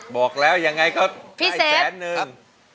บอกแล้วยังไงก็ได้แสนนึง